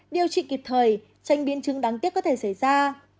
điều trị kịp thời tránh biến chứng đáng tiếc có thể xảy ra